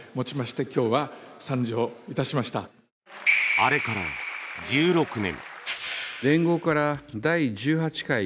あれから１６年。